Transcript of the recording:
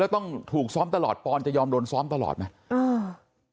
แล้วต้องถูกซ้อมตลอดปอนจะยอมโดนซ้อมตลอดไหมอ่า